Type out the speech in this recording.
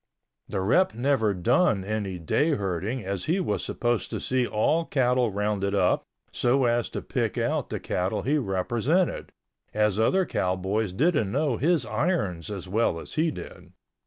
The rep never done any day herding as he was supposed to see all cattle rounded up so as to pick out the cattle he represented, as other cowboys didn't know his irons as well as he did.